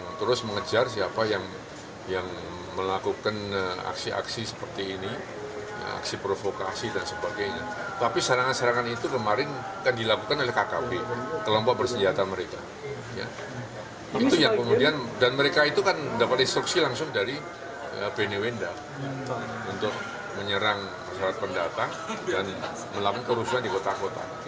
untuk menyerang masyarakat pendatang dan melakukan kerusuhan di kota kota